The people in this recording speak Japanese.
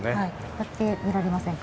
やってみられませんか？